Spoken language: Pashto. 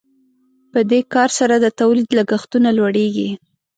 په دې کار سره د تولید لګښتونه لوړیږي.